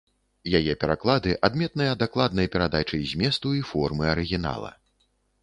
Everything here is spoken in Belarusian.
Яе пераклады адметныя дакладнай перадачай зместу і формы арыгінала.